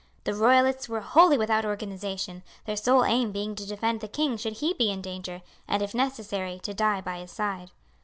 The royalists were wholly without organization, their sole aim being to defend the king should he be in danger, and if necessary to die by his side.